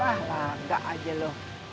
ah lagak aja lu